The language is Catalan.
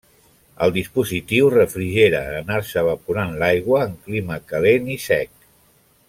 El dispositiu refrigera en anar-se evaporant l'aigua, en clima calent i sec.